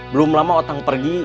belum lama otang pergi